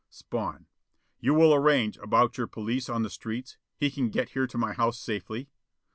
Spawn: "You will arrange about your police on the streets? He can get here to my house safely?"